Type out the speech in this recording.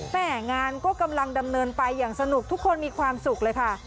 งานก็กำลังดำเนินไปอย่างสนุกทุกคนมีความสุขเลยค่ะ